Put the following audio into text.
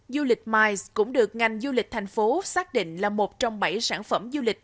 du lịch miles cũng được ngành du lịch thành phố xác định là một trong bảy sản phẩm du lịch